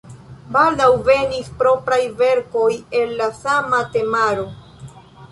Baldaŭ venis propraj verkoj el la sama temaro.